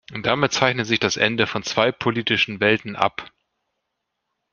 Damit zeichnet sich das Ende von zwei politischen Welten ab.